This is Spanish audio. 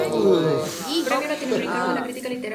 Premio Latinoamericano de la crítica literaria.